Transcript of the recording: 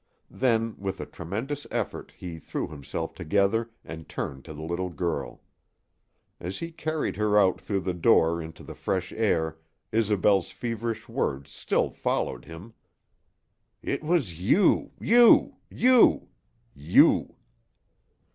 Then, with a tremendous effort, he threw himself together and turned to the little girl. As he carried her out through the door into the fresh air Isobel's feverish words still followed him: "It was you you you you!"